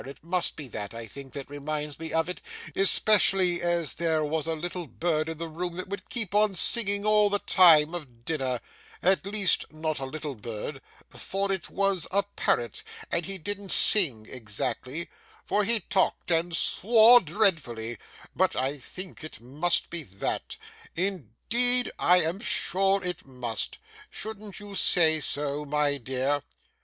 It must be that, I think, that reminds me of it, especially as there was a little bird in the room that would keep on singing all the time of dinner at least, not a little bird, for it was a parrot, and he didn't sing exactly, for he talked and swore dreadfully: but I think it must be that. Indeed I am sure it must. Shouldn't you say so, my dear?